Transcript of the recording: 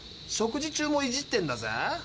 食事中もいじってんだぜ。